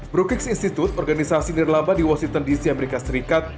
brookings institute organisasi nirlamba di washington dc amerika serikat